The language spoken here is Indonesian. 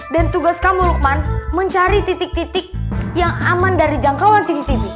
dan tugas kamu lukman mencari titik titik yang aman dari jangkauan cctv